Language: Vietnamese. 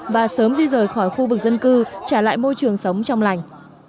và sớm di rời khỏi khu vực dân cư trả lại môi trường sống trong lành